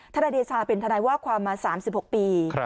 นายเดชาเป็นทนายว่าความมา๓๖ปี